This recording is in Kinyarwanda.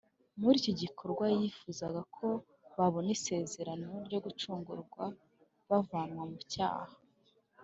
Muri iki gikorwa, Yifuzaga ko babona isezerano ryo gucungurwa bavanwa mu cyaha